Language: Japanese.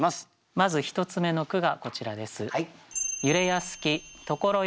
まず１つ目の句がこちらです。